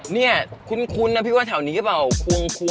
เนี่ยคุ้นนะพี่ว่าแถวนี้หรือเปล่าควง